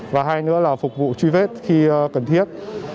và hai nữa là phục vụ truy vết khi cần thiết